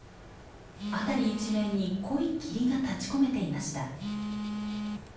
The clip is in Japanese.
辺り一面に濃い霧が立ちこめていました。